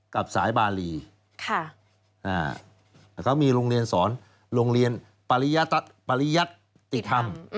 กับสายบารีเขามีโรงเรียนสอนโรงเรียนปริยัติธรรม